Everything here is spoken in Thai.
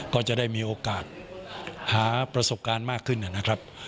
ก็จะได้มีโอกาสหาประสบการณ์มากขึ้นนะครับ